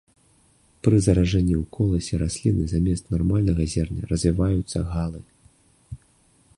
Пры заражэнні ў коласе расліны замест нармальнага зерня развіваюцца галы.